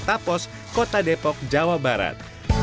tapos kota depok jawa barat